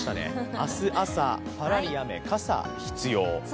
明日朝、パラリ雨、傘必要。